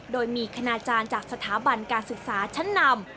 โดยมีคณาจารย์จากสถาบันการศึกษาชั้นนำ